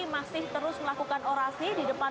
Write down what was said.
masih terus melakukan orasi di depan